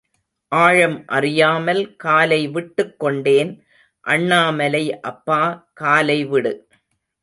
ஆழம் அறியாமல் காலை விட்டுக் கொண்டேன் அண்ணாமலை அப்பா காலை விடு.